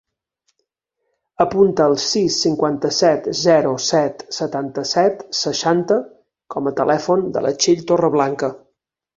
Apunta el sis, cinquanta-set, zero, set, setanta-set, seixanta com a telèfon de la Txell Torreblanca.